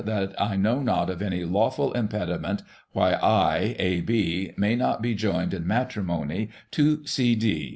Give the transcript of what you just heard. That I know not of any lawful Impediment why I, A. B., may not be joined in Matrimony to C D.